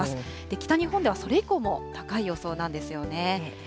北日本ではそれ以降も高い予想なんですよね。